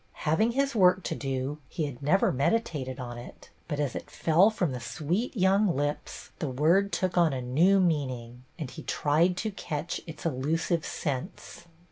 Having his work to do, he had never meditated on it ; but, as it fell from the sweet young lips, the word took on a new meaning, and he tried to catch its elusive sense.